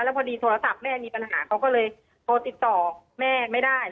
พอดีโทรศัพท์แม่มีปัญหาเขาก็เลยโทรติดต่อแม่ไม่ได้